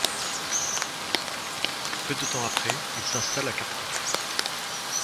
Peu de temps après, il s'installe à Kharkov.